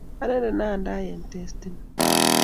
Anendet nadai eng testi ni.